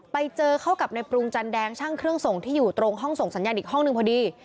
ไปเจอเข้ากับในปรุงจันแดงช่างเครื่องส่งที่อยู่ตรงห้องส่งสัญญาณอีกห้องหนึ่งพอดี